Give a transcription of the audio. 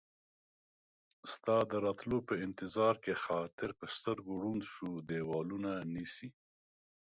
ستا د راتلو په انتظار کې خاطر ، په سترګو ړوند شو ديوالونه نيسي